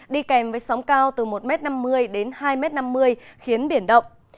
đi kèm với sóng cao từ một m năm mươi đến hai m năm mươi khiến biển động